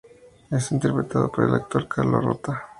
Es interpretado por el actor Carlo Rota.